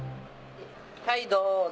はいどうぞ。